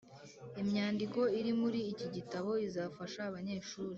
Imyandiko iri muri iki gitabo izafasha abanyeshuri